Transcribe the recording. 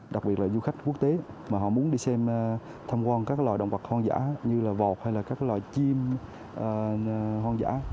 đặc biệt là du khách quốc tế mà họ muốn đi xem tham quan các loài động vật hoang dã như vọt hay là các loài chim hoang dã